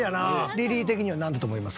リリー的にはなんだと思います？